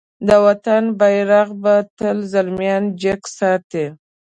د وطن بېرغ به تل زلميان جګ ساتی.